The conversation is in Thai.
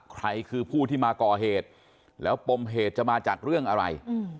ใครคือผู้ที่มาก่อเหตุแล้วปมเหตุจะมาจากเรื่องอะไร